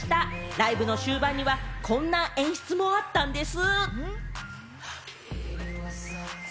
ライブの終盤にはこんな演出もあったんです！